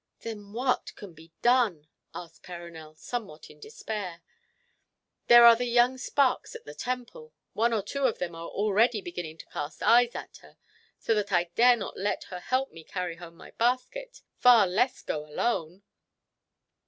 "Then what can be done?" asked Perronel, somewhat in despair. "There are the young sparks at the Temple. One or two of them are already beginning to cast eyes at her, so that I dare not let her help me carry home my basket, far less go alone.